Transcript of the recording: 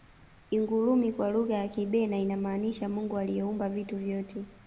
ingulumi kwa lugha ya kibena inamaanisha mungu aliyeumba vitu vyote